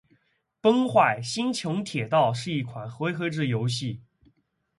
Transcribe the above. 《崩坏：星穹铁道》是一款回合制游戏。